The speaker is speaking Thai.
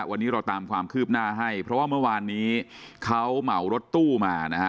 วันนี้เราตามความคืบหน้าให้เพราะว่าเมื่อวานนี้เขาเหมารถตู้มานะฮะ